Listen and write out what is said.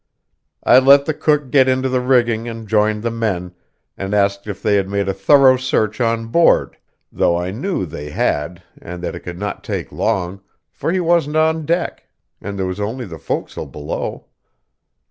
I let the cook get into the rigging and joined the men, and asked if they had made a thorough search on board, though I knew they had and that it could not take long, for he wasn't on deck, and there was only the forecastle below.